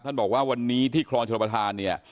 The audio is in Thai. ท่านบอกว่าวันนี้ที่คล้องชุมประธาน